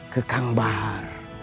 ke kang bahar